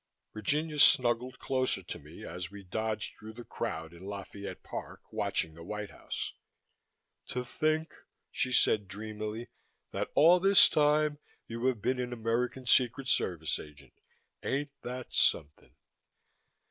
Virginia snuggled closer to me, as we dodged through the crowd in LaFayette Park watching the White House. "To think," she said dreamily, "that all this time you have been an American secret service agent. Ain't that something?"